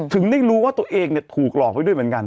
ถึงได้รู้ว่าตัวเองถูกหลอกไว้ด้วยเหมือนกัน